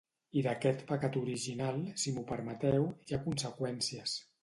I d’aquest pecat original, si m’ho permeteu, hi ha conseqüències.